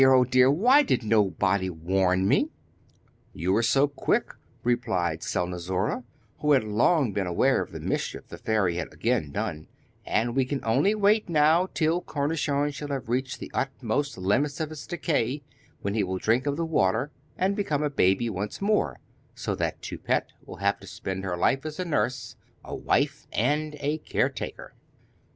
oh, dear! why did nobody warn me?' 'You were so quick,' replied Selnozoura, who had long been aware of the mischief the fairy had again done, 'and we can only wait now till Cornichon shall have reached the utmost limits of his decay, when he will drink of the water, and become a baby once more, so that Toupette will have to spend her life as a nurse, a wife, and a caretaker.